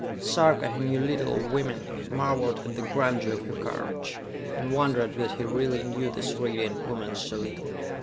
Sarka, who knew little of women, marveled at the grandeur of her courage, and wondered that he really knew this radiant woman so little.